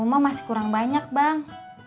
jangan kekal zonk atau nalang